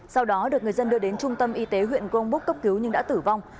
sau đó được người dân đưa đến trung tâm y tế huyện grong búc cấp cứu nhưng đã tử vong